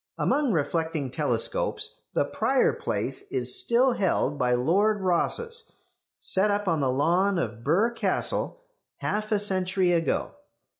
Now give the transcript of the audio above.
Among reflecting telescopes the prior place is still held by Lord Rosse's, set up on the lawn of Birr Castle half a century ago.